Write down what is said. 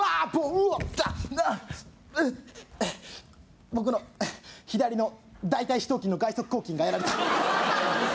うおっ、あぁ、僕の左の大たい四頭筋の外側広筋がやられた。